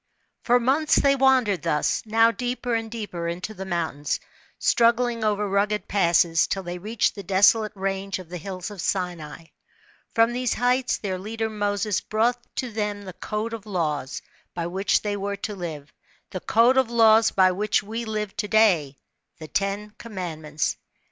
For months they wandered thus, now deeper and deeper into the mountains, struggling over rugged passes, till they reached the desolate range of the hills of Sinai. From these heights their leader Moses brought to them the c^de of laws, by which they were to live, the code of laws by which we Irve to day the Ten Commandments.